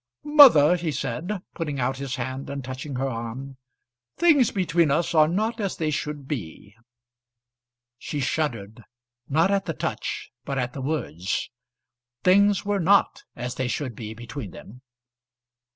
"Mother," he said, putting out his hand and touching her arm, "things between us are not as they should be." She shuddered, not at the touch, but at the words. Things were not as they should be between them.